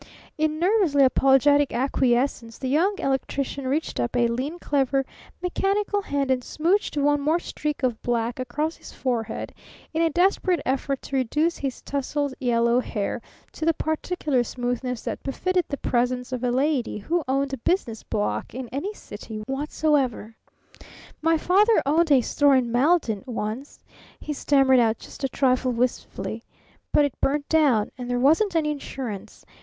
In nervously apologetic acquiescence the Young Electrician reached up a lean, clever, mechanical hand and smouched one more streak of black across his forehead in a desperate effort to reduce his tousled yellow hair to the particular smoothness that befitted the presence of a lady who owned a business block in any city whatsoever. "My father owned a store in Malden, once," he stammered, just a trifle wistfully, "but it burnt down, and there wasn't any insurance.